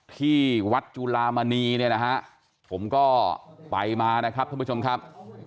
ที่วัดจุลามณีเนี่ยนะฮะผมก็ไปมานะครับท่านผู้ชมครับ